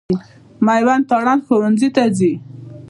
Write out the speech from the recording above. مېوند تارڼ ښوونځي ته ځي.